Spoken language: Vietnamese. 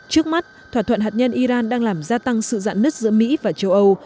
trước mắt thỏa thuận hạt nhân iran đang làm gia tăng sự dạn nứt giữa mỹ và châu âu